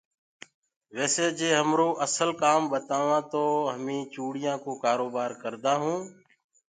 ويسي جيڪو همرو اسل ڪام ٻتاوآنٚ تو همي چوڙيانٚ ڪو ڪآرو بآر ڪردآ هونٚ۔